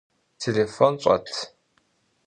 Têlêfon ş'et?